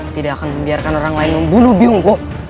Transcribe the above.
tidak akan membiarkan orang lain membunuh biungku